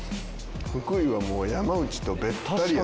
福井はもう山内とべったりや。